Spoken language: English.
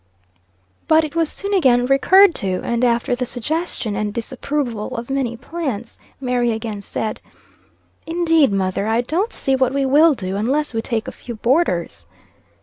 But it was soon again recurred to, and after the suggestion and disapproval of many plans, Mary again said "Indeed, mother, I don't see what we will do, unless we take a few boarders."